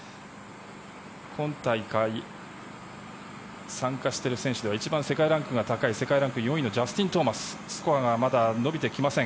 今大会、参加している選手では一番世界ランクが高い世界ランク４位のジャスティン・トーマススコアがまだ伸びてきません。